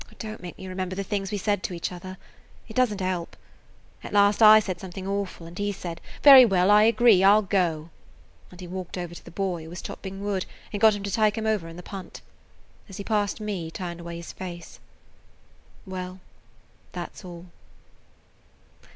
Oh, don't make me remember the things we said to each other! It does n't help. At last I said something awful, and he said: 'Very well; I agree. [Page 102] I 'll go,' and he walked over to the boy, who was chopping wood, and got him to take him over in the punt. As he passed me he turned away his face. Well, that 's all."